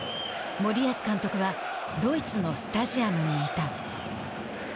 森保監督はドイツのスタジアムにいた。